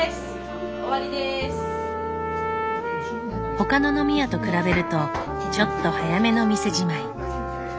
他の飲み屋と比べるとちょっと早めの店じまい。